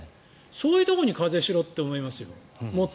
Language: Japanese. そういうところにもっと課税しろって思いますよ。